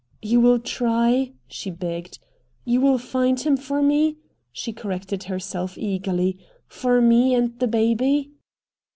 "You will try?" she begged. "You will find him for me" she corrected herself eagerly "for me and the baby?"